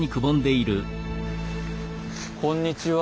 こんにちは。